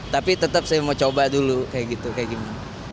tapi tetap saya mau coba dulu kayak gitu